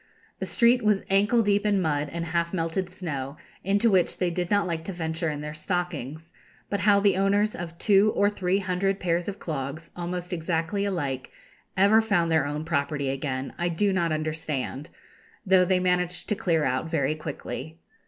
The street was ankle deep in mud and half melted snow, into which they did not like to venture in their stockings; but how the owners of two or three hundred pairs of clogs, almost exactly alike, ever found their own property again I do not understand, though they managed to clear out very quickly.